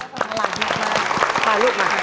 ค่ะลูกมา